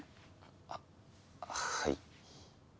あっはい？